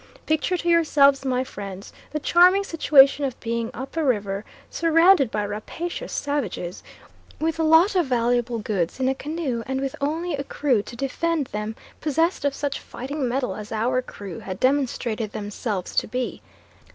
Picture to yourselves, my friends, the charming situation of being up a river surrounded by rapacious savages with a lot of valuable goods in a canoe and with only a crew to defend them possessed of such fighting mettle as our crew had demonstrated themselves to be.